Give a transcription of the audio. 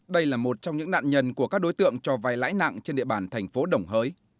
đây là một trong những nạn nhân của các đối tượng cho vai lãi nặng trên địa bàn thành phố đồng hới